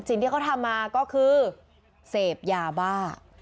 สิ่งที่เขาทำมาก็คือเสพยาบ้า